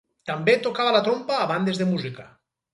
També tocava la trompa a bandes de música.